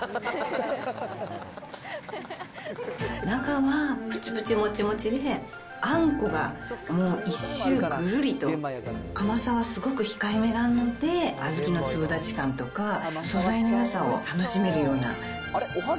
中はぷちぷちもちもちで、あんこがもう一周ぐるりと、甘さはすごく控えめなので、小豆の粒立ち感とか素材のよさを楽しめるような。